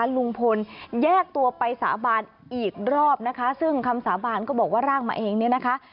ลุงพลแยกตัวไปสาบานอีกรอบนะคะซึ่งคำสาบานก็บอกว่าร่างมาเองเนี่ยนะคะ